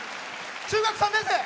中学３年生！